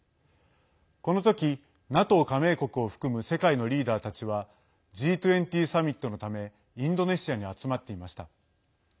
この時、ＮＡＴＯ加盟国を含む世界のリーダーたちはＧ２０サミットのためインドネシアに集まっていました。